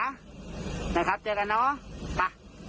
นะครับเจอกันเนอะไป